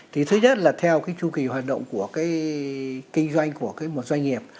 thì thứ nhất là theo cái chu kỳ hoạt động của cái kinh doanh của cái một doanh nghiệp